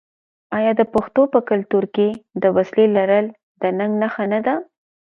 آیا د پښتنو په کلتور کې د وسلې لرل د ننګ نښه نه ده؟